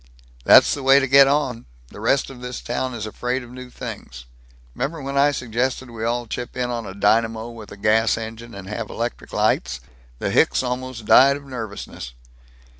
"That's the way to get on. The rest of this town is afraid of new things. 'Member when I suggested we all chip in on a dynamo with a gas engine and have electric lights? The hicks almost died of nervousness."